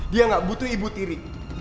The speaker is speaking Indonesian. dia nggak butuh ibu tiri